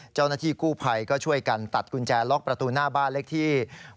เจ้าหน้าที่กู้ภัยก็ช่วยกันตัดกุญแจล็อกประตูหน้าบ้านเลขที่